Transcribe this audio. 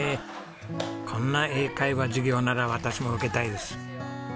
こんな英会話授業なら私も受けたいです。